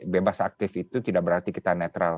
bebas aktif itu tidak berarti kita netral